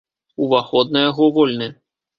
Уваход на яго вольны.